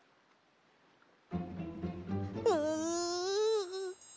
うん。